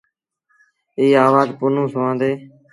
ايٚ آوآز پنهون سُوآندي۔